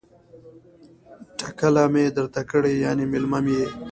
ټکله می درته کړې ،یعنی میلمه می يی